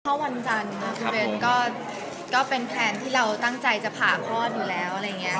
เข้าวันจันทร์นะพี่เบนก็เป็นแพลนที่เราตั้งใจจะผ่าพ่อนอยู่แล้ว